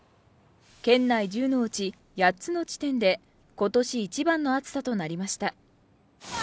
県内１０のうち８つの地点で今年一番の暑さとなりました。